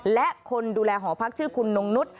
และคนดูแลหอพักชื่อคุณนงนุษย